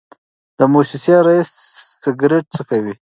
د موسسې رییس سګرټ څکوي.